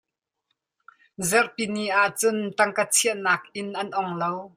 Zarhpini ah cun tangka chiahnak inn an ong lo.